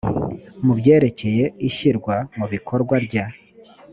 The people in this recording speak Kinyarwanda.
mu byerekeye ishyirwa mu bikorwa rya